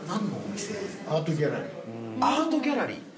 アートギャラリー。